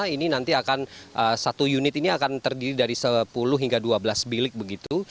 ini nanti akan satu unit ini akan terdiri dari sepuluh hingga dua belas bilik begitu